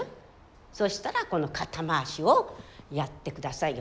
そしたらこの肩回しをやって下さいよ。